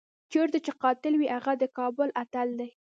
چېرته چې قاتل وي هغه د کابل اتل دی.